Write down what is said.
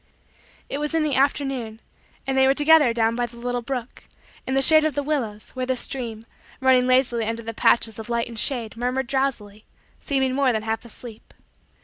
It was in the afternoon and they were together down by the little brook, in the shade of the willows, where the stream, running lazily under the patches of light and shade, murmured drowsily seeming more than half asleep.